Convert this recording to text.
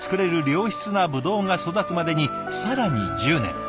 良質なブドウが育つまでに更に１０年。